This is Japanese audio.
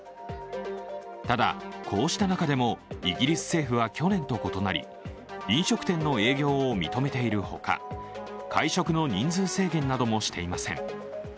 ただこうした中でもイギリス政府は去年と異なり、飲食店の営業を認めているほか、会食の人数制限などもしていません。